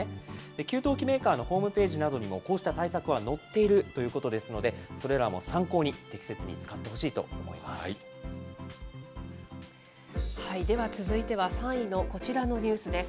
給湯器メーカーのホームページなどにもこうした対策は載っているということですので、それらも参考に、適切に使ってほしいと思います。